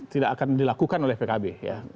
tidak akan dilakukan oleh pkb